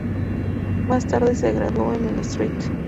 Más tarde se graduó en el St.